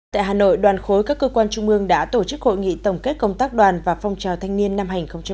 tại hà nội đoàn khối các cơ quan trung ương đã tổ chức hội nghị tổng kết công tác đoàn và phong trào thanh niên năm hai nghìn một mươi chín